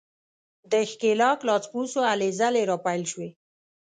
د ښکېلاک لاسپوڅو هلې ځلې راپیل شوې.